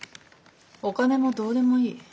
お金もどうでもいい。